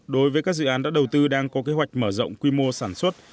đối với các dự án đã đầu tư đang có kế hoạch mở rộng quy mô sản xuất